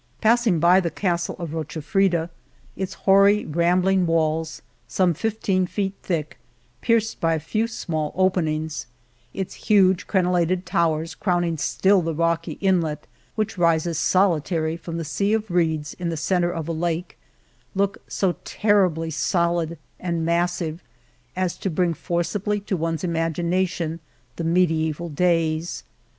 Passing by the Castle of Rochafrida, its hoary, rambling walls, some fifteen feet thick, pierced by a few small openings, its huge crenellated towers crown ing still the rocky inlet which rises soli tary from the sea of reeds in the centre of a lake, look so terribly solid and massive as to bring forcibly to one's imagination the mediaeval days.